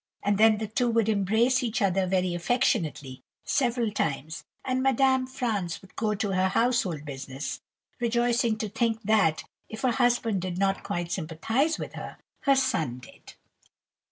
and then the two would embrace each other very affectionately several times, and Madame Franz would go to her household business, rejoicing to think that, if her husband did not quite sympathize with her, her son did.